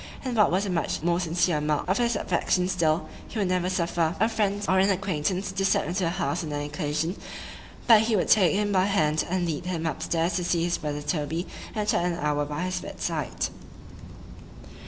—And what was a much more sincere mark of his affection still, he would never suffer a friend or an acquaintance to step into the house on any occasion, but he would take him by the hand, and lead him up stairs to see his brother Toby, and chat an hour by his bed side.